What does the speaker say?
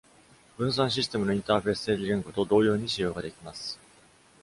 分散システムのインターフェース定義言語と同様に使用ができます。